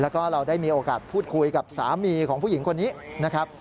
แล้วก็เราได้มีโอกาสพูดคุยกับสามีของผู้หญิงคนนี้นะครับ